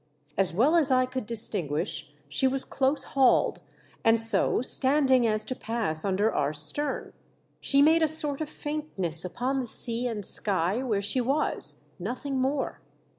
As well as I could distinguish, she was close hauled, and so standing as to pass under our stern. She made a sort ot faintness upon the sea and sky where she was, nothing more.